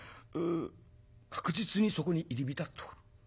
確実にそこに入り浸っておる。